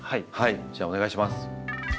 じゃあお願いします。